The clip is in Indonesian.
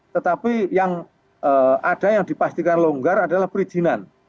tetapi yang ada yang dipastikan longgar adalah perizinan